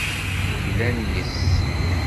Glan yes-s.